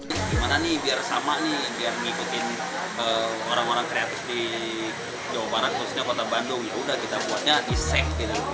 gimana nih biar sama nih biar ngikutin orang orang kreatif di jawa barat khususnya kota bandung yaudah kita buatnya di seks